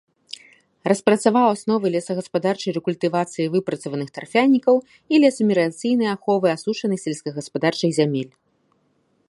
Распрацаваў асновы лесагаспадарчай рэкультывацыі выпрацаваных тарфянікаў і лесамеліярацыйнай аховы асушаных сельскагаспадарчых зямель.